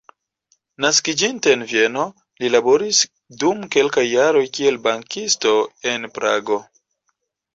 Naskiĝinte en Vieno, li laboris dum kelkaj jaroj kiel bankisto en Prago.